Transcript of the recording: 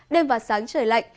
đêm và sáng trời lạnh